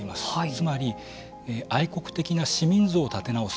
つまり愛国的な市民像を立て直す。